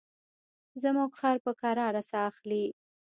زموږ خر په کراره ساه اخلي.